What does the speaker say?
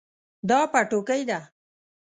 دا پټوکۍ ده